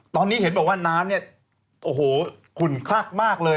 ตอนนี้เห็นบอกว่าน้ำเนี่ยโอ้โหขุนคลักมากเลย